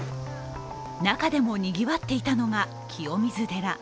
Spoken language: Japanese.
中でもにぎわっていたのが清水寺。